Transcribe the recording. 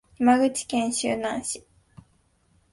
山口県周南市